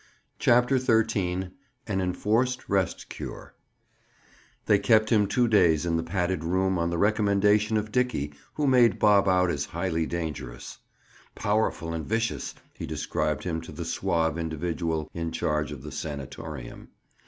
CHAPTER XIII—AN ENFORCED REST CURE They kept him two days in the padded room on Dickie's recommendation, who made Bob out as highly dangerous. "Powerful and vicious," he described him to the suave individual in charge of the "sanatorium."